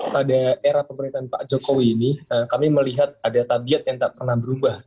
pada era pemerintahan pak jokowi ini kami melihat ada tabiat yang tak pernah berubah